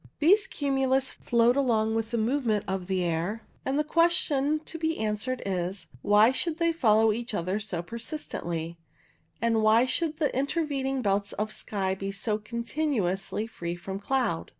These cumulus float along with the movement of the air, and the question to be answered is, why should they follow each other so persistently, and why should the intervening belts of sky be so continuously free from cloud.